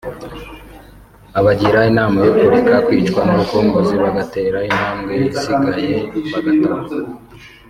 abagira inama yo kureka kwicwa n’urukumbuzi bagatera intambwe isigaye bagataha